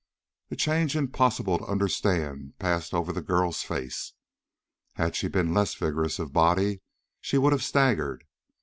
A change impossible to understand passed over the girl's face. Had she been less vigorous of body, she would have staggered.